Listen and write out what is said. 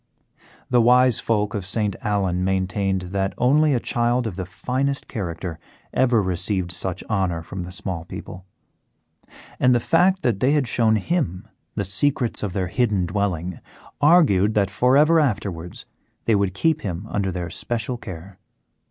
The wise folk of St. Allen maintained that only a child of the finest character ever received such honour from the small people, and that the fact that they had shown him the secrets of their hidden dwelling augured that for ever afterwards they would keep him under their especial care.